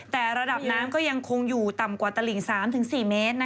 แต่ระดับน้ำก็ยังคงอยู่ต่ำกว่าตลิ่ง๓๔เมตร